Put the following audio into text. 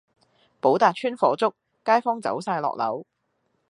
寶達邨火燭，街坊走曬落樓